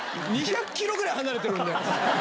２００キロぐらい離れてるんで。